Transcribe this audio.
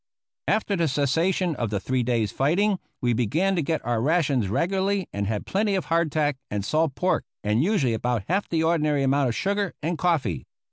After the cessation of the three days' fighting we began to get our rations regularly and had plenty of hardtack and salt pork, and usually about half the ordinary amount of sugar and coffee.